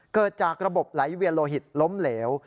เกิดจากระบบไหลเวียนโลหิตล้มเหลว